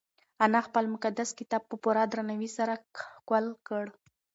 انا خپل مقدس کتاب په پوره درناوي سره ښکل کړ.